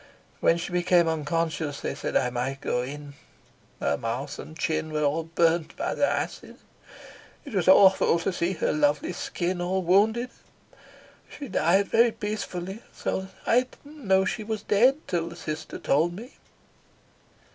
When she became unconscious they said I might go in. Her mouth and chin were all burnt by the acid. It was awful to see her lovely skin all wounded. She died very peacefully, so that I didn't know she was dead till the sister told me."